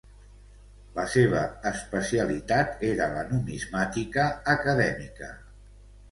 La seva especialitat era la numismàtica acadèmica.